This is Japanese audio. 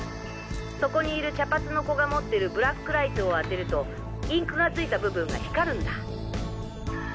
そこにいる茶髪の子が持ってるブラックライトを当てるとインクが付いた部分が光るんだ。